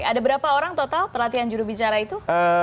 ada berapa orang total pelatihan judul bicara itu